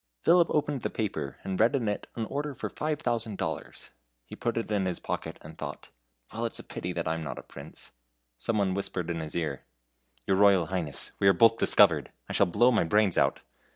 Philip opened the paper, and read in it an order for five thousand dollars. He put it in his pocket, and thought: "Well, it's a pity that I'm not a prince." Some one whispered in his ear: "Your Royal Highness, we are both discovered; I shall blow my brains out."